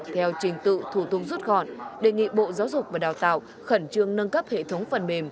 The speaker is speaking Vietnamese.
theo trình tự thủ tục rút gọn đề nghị bộ giáo dục và đào tạo khẩn trương nâng cấp hệ thống phần mềm